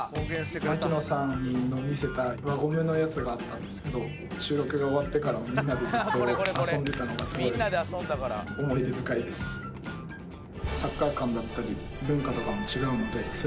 槙野さんの見せた輪ゴムのやつがあったんですけど収録が終わってからもみんなでずっと遊んでたのがすごい思い出深いです。と思います。